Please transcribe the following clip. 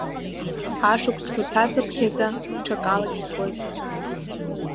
Ашықәсқәа цацыԥхьаӡа, ҽакалагь схәыцп.